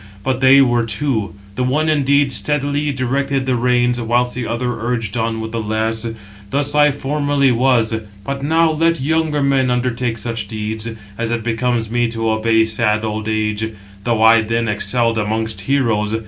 But they were two; the one indeed steadily directed the reins, whilst the other urged on with the lash. Thus I formerly was, but now let younger men undertake such deeds, as it becomes me to obey sad old age, though I then excelled amongst heroes.